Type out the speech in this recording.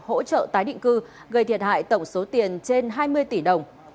hỗ trợ tái định cư gây thiệt hại tổng số tiền trên hai mươi tỷ đồng